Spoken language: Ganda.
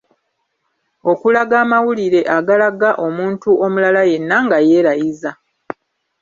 Okulaga amawulire agalaga omuntu omulala yenna nga yeerayiza